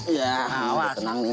iya tenang nih